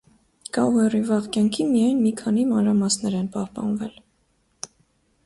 Գաուերի վաղ կյանքի միայն մի քանի մանրամասներ են պահպանվել։